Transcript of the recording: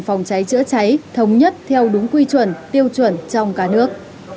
phòng cháy chữa cháy thống nhất theo đúng quy chuẩn tiêu chuẩn trong cả nước